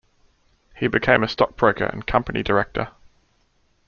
He became a stockbroker and company director.